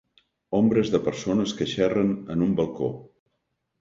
Ombres de persones que xerren en un balcó.